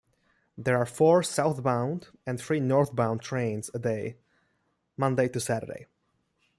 There are four southbound and three northbound trains a day Monday to Saturday.